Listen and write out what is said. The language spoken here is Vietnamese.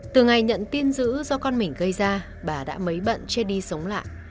từ ngày nhận tin dữ do con mình gây ra bà đã mấy bận che đi sống lại